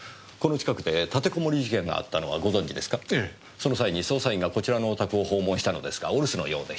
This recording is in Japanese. その際に捜査員がこちらのお宅を訪問したのですがお留守のようでした。